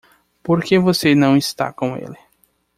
Por que você não está com ele?